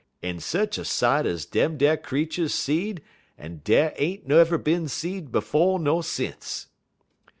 En sech a sight ez dem t'er creeturs seed den en dar ain't never bin seed befo' ner sence.